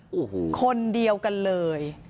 โอ้โหคนเดียวกันเลย